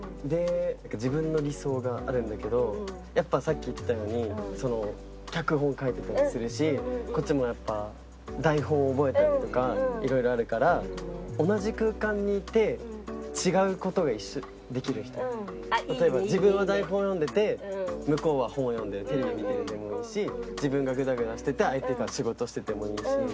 自分の理想があるんだけどやっぱさっき言ったように脚本書いてたりするしこっちもやっぱ台本を覚えたりとかいろいろあるから例えば自分は台本を読んでて向こうは本を読んだりテレビ見ててもいいし自分がグダグダしてて相手が仕事しててもいいし。